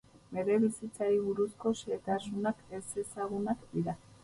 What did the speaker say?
Bere bizitzari buruzko xehetasunak ezezagunak dira.